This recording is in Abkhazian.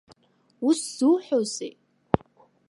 Ус зуҳәозеи?